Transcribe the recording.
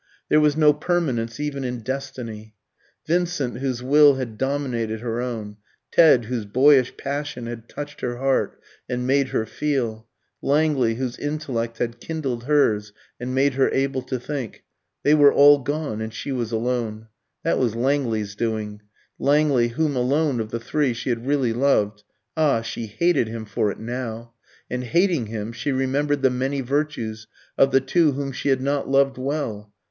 There was no permanence even in destiny. Vincent, whose will had dominated her own; Ted, whose boyish passion had touched her heart and made her feel; Langley, whose intellect had kindled hers, and made her able to think, they were all gone, and she was alone. That was Langley's doing Langley, whom alone of the three she had really loved ah, she hated him for it now. And hating him, she remembered the many virtues of the two whom she had not loved well.